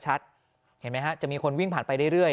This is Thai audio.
เห็นไหมฮะจะมีคนวิ่งผ่านไปเรื่อย